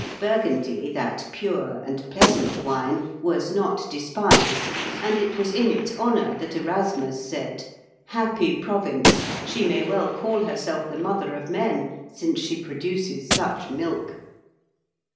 Burgundy, that pure and pleasant wine, was not despised, and it was in its honour that Erasmus said, "Happy province! she may well call herself the mother of men, since she produces such milk."